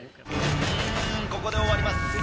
うんここで終わります。